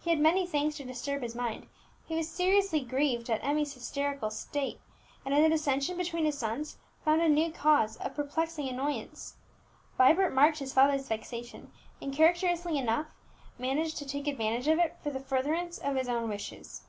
He had many things to disturb his mind; he was seriously grieved at Emmie's hysterical state, and in the dissension between his sons found a new cause of perplexing annoyance. Vibert marked his father's vexation, and characteristically enough managed to take advantage of it for the furtherance of his own wishes.